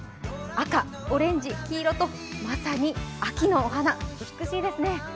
赤、オレンジ、黄色とまさに秋のお花、美しいですね。